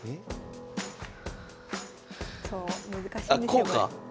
あこうか！